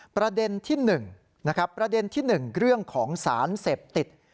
ประเด็นที่๑เรื่องของสารเสพติด